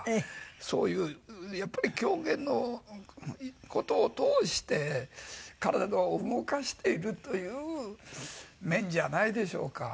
そういうやっぱり狂言の事を通して体を動かしているという面じゃないでしょうか。